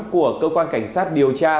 của cơ quan cảnh sát điều tra